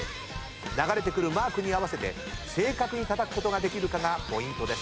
流れてくるマークに合わせて正確にたたくことができるかがポイントです。